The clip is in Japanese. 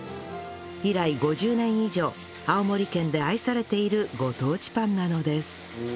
以来５０年以上青森県で愛されているご当地パンなのです